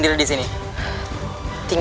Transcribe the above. tidak ma inserting